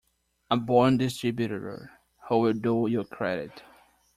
A born distributor, who will do you credit.